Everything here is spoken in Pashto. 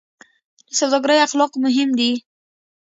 د سوداګرۍ اخلاق مهم دي